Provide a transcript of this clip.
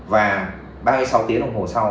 và ba mươi sáu tiếng đồng hồ sau